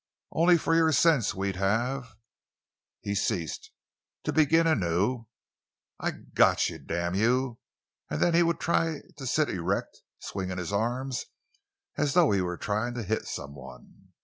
Only for your sense we'd have—" He ceased, to begin anew: "I've got you—damn you!" And then he would try to sit erect, swinging his arms as though he were trying to hit someone.